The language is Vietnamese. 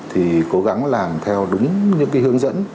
thì cố gắng làm theo đúng những hướng dẫn